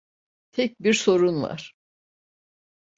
Tek bir sorun var.